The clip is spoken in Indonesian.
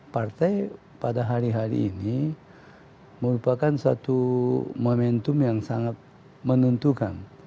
partai pada hari hari ini merupakan satu momentum yang sangat menentukan